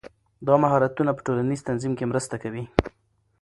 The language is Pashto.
دا مهارتونه په ټولنیز تنظیم کې مرسته کوي.